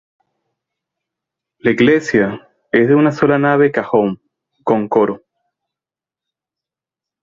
La iglesia es de una sola nave cajón, con coro.